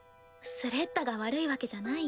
スレッタが悪いわけじゃないよ。